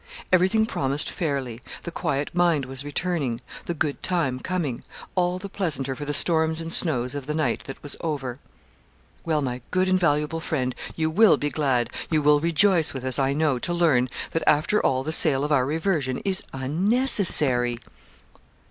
Everything promised fairly the quiet mind was returning the good time coming all the pleasanter for the storms and snows of the night that was over. 'Well, my good invaluable friend, you will be glad you will rejoice with us, I know, to learn that, after all, the sale of our reversion is unnecessary.'